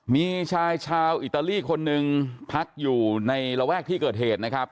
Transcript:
มีชายชาวอิตาลีคนหนึ่งพักอยู่ในระแวกที่เกิดเหตุนะครับ